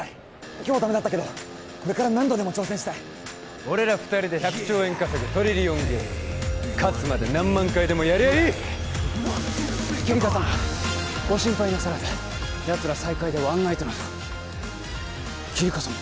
今日はダメだったけどこれから何度でも挑戦したい俺ら二人で１００兆円稼ぐトリリオンゲーム勝つまで何万回でもやりゃあいいキリカ様ご心配なさらずやつら最下位でワンナイトなどキリカ様？